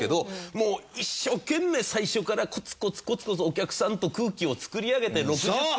もう一生懸命最初からコツコツコツコツお客さんと空気を作り上げて６０分。